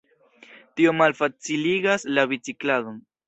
Tio malfaciligas la bicikladon.